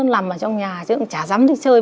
làm ở trong nhà chứ cũng chả dám đi chơi